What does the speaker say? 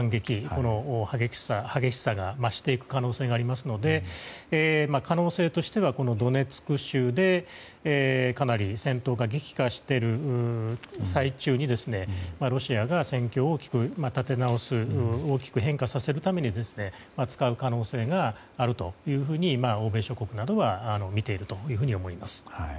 この激しさが増していく可能性がありますので可能性としてはドネツク州でかなり戦闘が激化してる最中にロシアが戦況を大きく立て直す大きく変化させるために化学兵器を使う可能性があると欧米諸国などは見ていると思います。